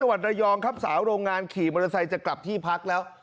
วัดระยองครับสาวโรงงานขี่มอเตอร์ไซค์จะกลับที่พักแล้ว